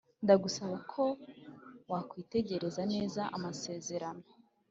ndagusaba ko wakwitegereza neza amasezerano.